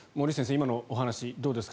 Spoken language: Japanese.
今のお話どうですか。